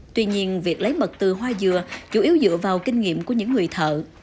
tuy nhiên việc lấy mật từ hoa dừa chủ yếu dựa vào kinh nghiệm của những người thợ